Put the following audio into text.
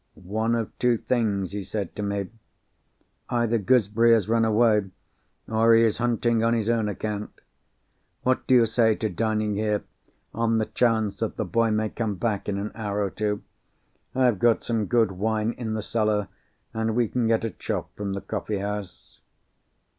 "One of two things," he said to me. "Either Gooseberry has run away, or he is hunting on his own account. What do you say to dining here, on the chance that the boy may come back in an hour or two? I have got some good wine in the cellar, and we can get a chop from the coffee house."